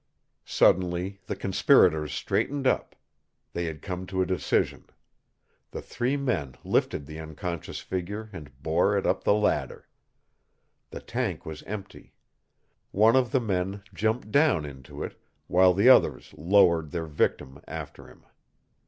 Suddenly the conspirators straightened up. They had come to a decision. The three men lifted the unconscious figure and bore it up the ladder. The tank was empty. One of the men jumped down into it, while the others lowered their victim after him.